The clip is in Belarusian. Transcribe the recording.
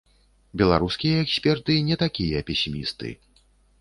Беларускія эксперты не такія песімісты.